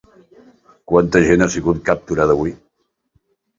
Quanta gent ha sigut capturada avui?